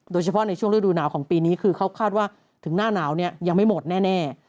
โดยเฉพาะในช่วงฤดูหนาวของปีนี้คือเขาคาดว่าถึงหน้าหนาวเนี่ยยังไม่หมดแน่